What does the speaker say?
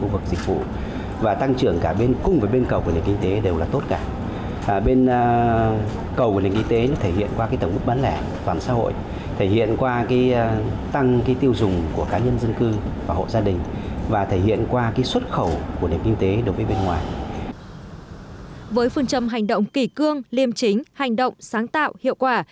với phương châm hành động kỳ cương liêm chính hành động sáng tạo hiệu quả